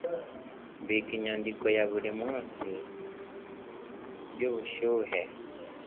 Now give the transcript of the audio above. Mbika inyandiko ya buri munsi yubushyuhe.